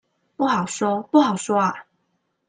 不好說，不好說阿